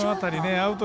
アウト！